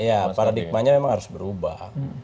ya paradigmanya memang harus berubah